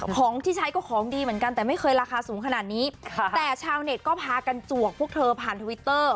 ของที่ใช้ก็ของดีเหมือนกันแต่ไม่เคยราคาสูงขนาดนี้ค่ะแต่ชาวเน็ตก็พากันจวกพวกเธอผ่านทวิตเตอร์